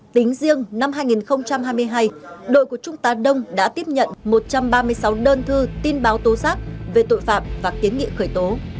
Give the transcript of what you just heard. tính riêng năm hai nghìn hai mươi hai đội của trung tá đông đã tiếp nhận một trăm ba mươi sáu đơn thư tin báo tố giác về tội phạm và kiến nghị khởi tố